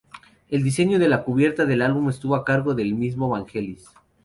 El diseño de la cubierta del álbum estuvo a cargo del mismo Vangelis.